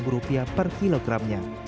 rp dua belas per kilogramnya